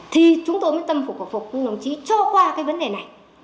thì chúng tôi mới tâm phục hợp phục đồng chí cho qua cái vấn đề này